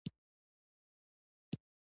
د مصنوعي هوښیارۍ کارونه په ښوونه کې هم شته.